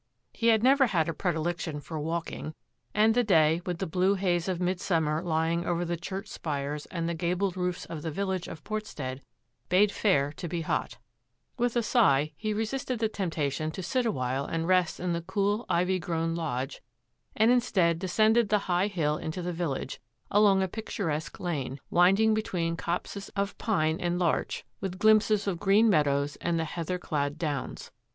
He had never had a predilection for walking, and the day, with the blue haze of midsummer lying over the church spires and the gabled roofs of the village of Portstead, bade fair to be hot. 153 164 THAT AFFAIR AT THE MANOR With a sigh he resisted the temptation to sit a while and rest in the cool, ivy grown lodge, and in stead descended the high hill into the village, along a picturesque lane, winding between copses of pine and larch, with glimpses of green meadows and the heather clad downs.